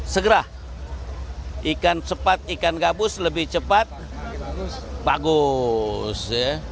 segera ikan cepat ikan gabus lebih cepat bagus